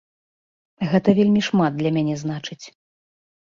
Гэта вельмі шмат для мяне значыць.